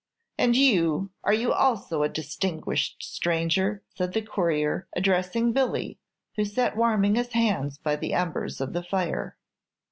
"And you, are you also a distinguished stranger?" said the courier, addressing Billy, who sat warming his hands by the embers of the fire.